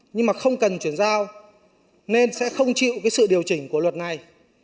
nhưng mà không cần chuyển giao nên sẽ không chịu sự điều chỉnh của luật này